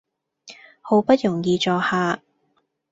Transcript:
好不容易坐下